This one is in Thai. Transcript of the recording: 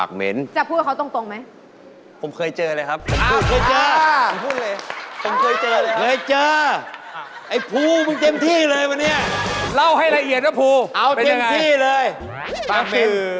คำถามที่๒คุณมีไหม